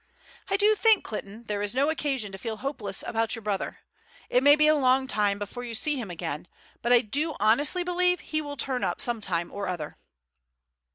I do think, Clinton, there is no occasion to feel hopeless about your brother. It may be a long time before you see him again, but I do honestly believe he will turn up some time or other."